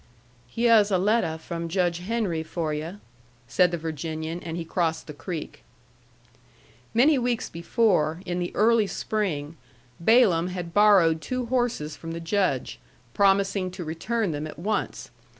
"Hyeh's a letter from Judge Henry for yu'" said the Virginian, and he crossed the creek. Many weeks before, in the early spring, Balaam had borrowed two horses from the Judge, promising to return them at once.